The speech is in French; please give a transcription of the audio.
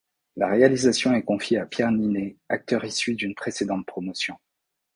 La réalisation est confiée à Pierre Niney, acteur issu d'une précédente promotion.